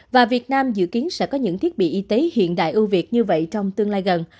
và việt nam dự kiến sẽ có những thiết bị y tế hiện đại ưu việt như vậy trong tương lai gần